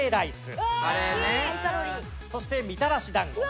そしてみたらし団子。